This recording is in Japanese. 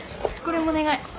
これもお願い。